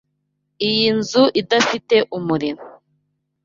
Iyi nzu idafite umuriro.